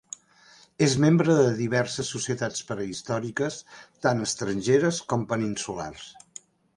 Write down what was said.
És membre de diverses societats prehistòriques tant estrangeres com peninsulars.